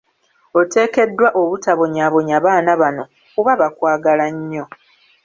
Oteekeddwa obutabonyaabonya baana bano kuba bakwagala nnyo.